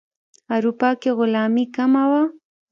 اروپا کې غلامي کمه وه.